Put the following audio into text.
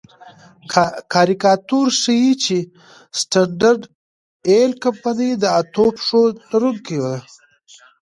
کاریکاتور ښيي چې سټنډرډ آیل کمپنۍ د اتو پښو لرونکې ده.